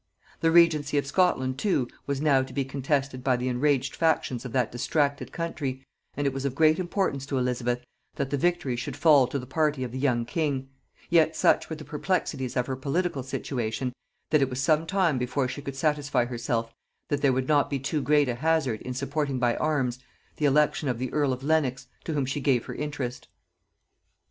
The regency of Scotland, too, was now to be contested by the enraged factions of that distracted country, and it was of great importance to Elizabeth that the victory should fall to the party of the young king; yet such were the perplexities of her political situation, that it was some time before she could satisfy herself that there would not be too great a hazard in supporting by arms the election of the earl of Lenox, to whom she gave her interest.